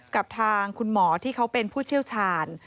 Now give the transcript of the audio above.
กับทางคุณหมอที่เขาเป็นผู้เชี่ยวชาญ